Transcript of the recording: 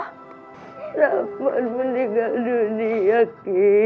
kenapa kau meninggal dunia ki